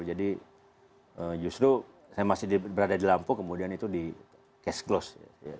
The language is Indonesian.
jadi justru saya masih berada di lampung kemudian itu di cash close